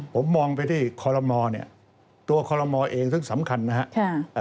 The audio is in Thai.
ผมมองไปที่คอลโมเนี่ยตัวคอลโมเองซึ่งสำคัญนะครับ